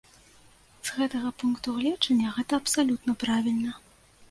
З гэтага пункту гледжання, гэта абсалютна правільна.